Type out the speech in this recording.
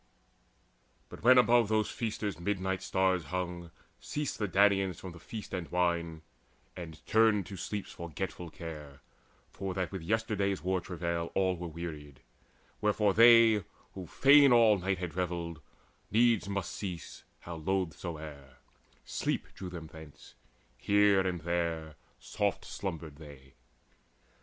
But when above those feasters midnight's stars Hung, ceased the Danaans from the feast and wine, And turned to sleep's forgetfulness of care, For that with yesterday's war travail all Were wearied; wherefore they, who fain all night Had revelled, needs must cease: how loth soe'er, Sleep drew them thence; here, there, soft slumbered they.